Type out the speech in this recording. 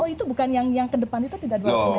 oh itu bukan yang ke depan itu tidak dua ratus meter